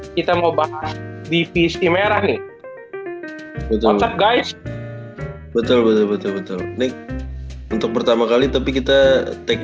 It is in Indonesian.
kita mau bahas divisi merah nih betul betul betul nik untuk pertama kali tapi kita take